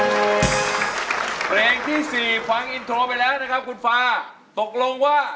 วันแรงที่สี่ฟังอินโทรแล้วครับคุณฟ้าก็